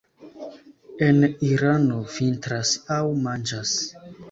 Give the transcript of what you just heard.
En Irano vintras aŭ manĝas.